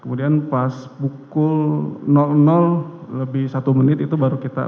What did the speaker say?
kemudian pas pukul lebih satu menit itu baru kita